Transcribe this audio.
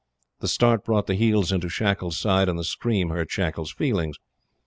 The start brought the heels into Shackles' side, and the scream hurt Shackles' feelings.